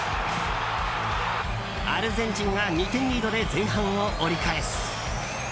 アルゼンチンが２点リードで前半を折り返す。